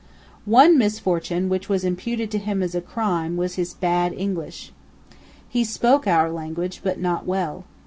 One misfortune, which was imputed to him as a crime, was his bad English. He spoke our language, but not well.